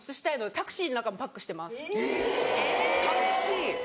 タクシー。